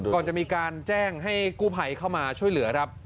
ก่อนจะมีการแจ้งให้กู้ภัยเข้ามาช่วยเหลือครับ